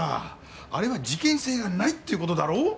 あれは事件性がないっていう事だろ？